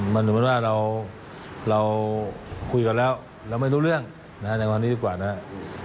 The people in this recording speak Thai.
มันเหมือนว่าเราคุยกันแล้วเราไม่รู้เรื่องในวันนี้ดีกว่านะครับ